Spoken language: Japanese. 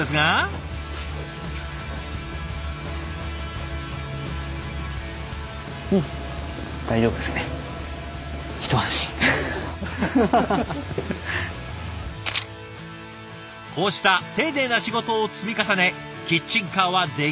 こうした丁寧な仕事を積み重ねキッチンカーは出来上がります。